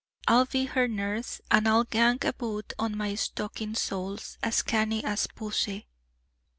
I'll be her nurse, and I'll gang aboot on my stockin' soles as canny as pussy."